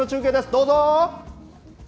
どうぞ。